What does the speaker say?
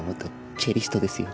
チェリストですよ。